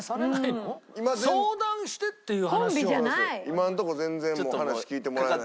今のところ全然話聞いてもらえない。